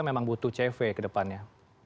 memang butuh cv ke depannya